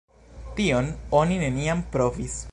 Tion oni neniam provis.